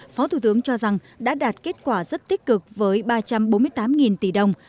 phó thủ tướng cho rằng đã đạt kết quả rất tích cực với ba trăm bốn mươi tám tỷ đồng